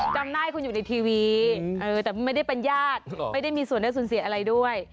จำได้คุณอยู่ในทีวีแต่ไม่ได้เป็นญาติไม่ได้มีส่วนได้สูญเสียอะไรด้วย